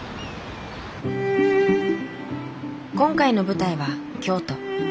今回の舞台は京都。